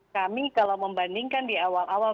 kami kalau membandingkan di awal awal